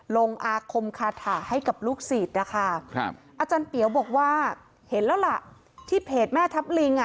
ลงอาคมคาถาให้กับลูกศิษย์นะคะครับอาจารย์เปียวบอกว่าเห็นแล้วล่ะที่เพจแม่ทัพลิงอ่ะ